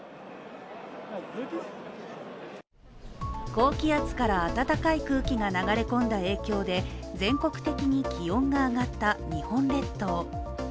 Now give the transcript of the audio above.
高気圧から、暖かい空気が流れ込んだ影響で全国的に気温が上がった日本列島。